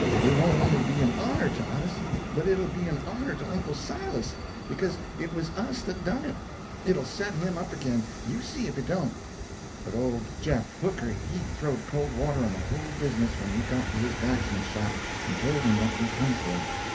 It won't only be an honor to us, but it'll be an honor to Uncle Silas because it was us that done it. It'll set him up again, you see if it don't." But Old Jeff Hooker he throwed cold water on the whole business when we got to his blacksmith shop and told him what we come for.